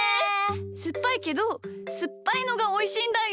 すっぱいけどすっぱいのがおいしいんだよ。